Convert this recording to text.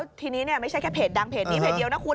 และทีนี้ไม่ใช่แค่เพจดังอีกนะคุณ